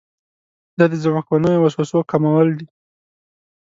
دا د ځمکنیو وسوسو کمول دي.